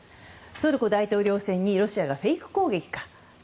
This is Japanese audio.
トルコ大統領選にロシアがフェイク攻撃か。